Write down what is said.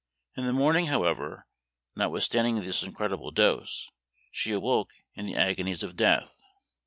In the morning, however, notwithstanding this incredible dose, she awoke in the agonies of death.